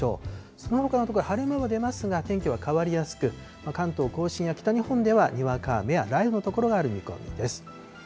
そのほかの所、晴れ間も出ますが天気は変わりやすく、関東甲信や北日本ではにわか雨や雷雨の所がある見込みです。